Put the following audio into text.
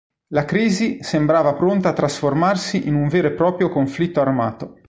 La crisi sembrava pronta a trasformarsi in un vero e proprio conflitto armato.